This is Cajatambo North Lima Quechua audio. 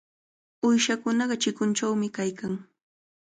Uyshakunaqa chikunchawmi kaykan.